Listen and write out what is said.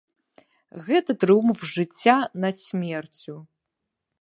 Гэта трыумф жыцця над смерцю.